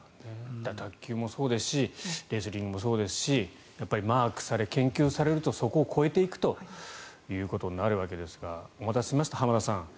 卓球もそうですしレスリングもそうですしマークされ、研究されるとそこを超えていくということになるわけですがお待たせしました、浜田さん。